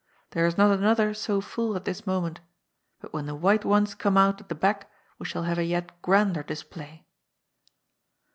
^ There is not another so full at this moment But when the white ones come out at the back, we shall have a yet grander display."